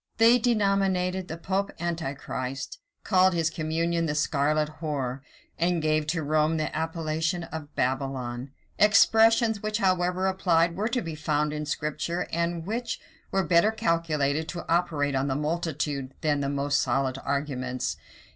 They denominated the pope Antichrist, called his communion the scarlet whore, and gave to Rome the appellation of Babylon; expressions which, however applied, were to be found in Scripture, and which were better calculated to operate on the multitude than the most solid arguments.